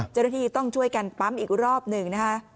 เจ้าหน้าที่ต้องช่วยกันปั๊มอีกรอบหนึ่งนะคะ